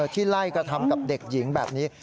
ที่ไล่กระทำกับเด็กหญิงแบบนี้